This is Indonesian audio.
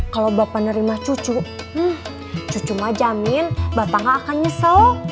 kalau bapak nerima cucu cucu mah jamin bapak nggak akan nyesel